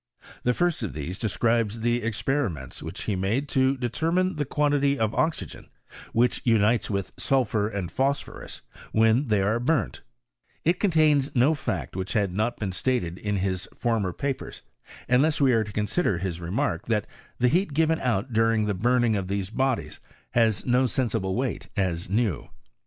The first of these describes the experiments which he made to determine the quantity of oxygen which unites with sulphur and phosphorus when they are burnt ; it contains no fact which he had not stated in his former papers, unless we are to consider hiB remark, that the heat given out during the burning of these bodies has no sensible weight, as new.